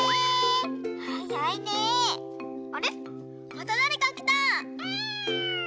あれまただれかきた。